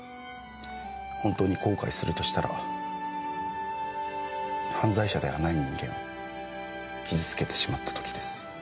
本当に後悔するとしたら犯罪者ではない人間を傷つけてしまった時です。